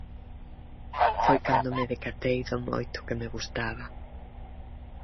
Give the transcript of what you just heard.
Foi cando me decatei do moito que me gustaba.